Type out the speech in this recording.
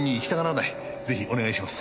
ぜひお願いします。